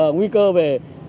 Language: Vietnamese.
nguy cơ về